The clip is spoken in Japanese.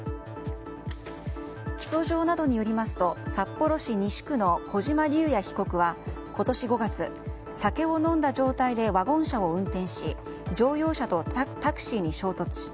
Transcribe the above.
起訴状などによりますと札幌市西区の小島隆也被告は今年５月、酒を飲んだ状態でワゴン車を運転し乗用車とタクシーに衝突。